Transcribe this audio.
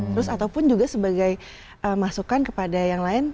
terus ataupun juga sebagai masukan kepada yang lain